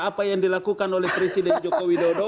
apa yang dilakukan oleh presiden joko widodo